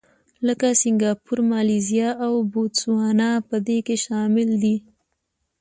لکه سینګاپور، مالیزیا او بوتسوانا په دې کې شامل دي.